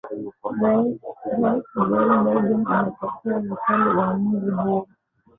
Rais Joe Biden amekosoa vikali uwamuzi huo